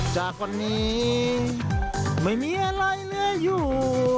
จากวันนี้ไม่มีอะไรเหลืออยู่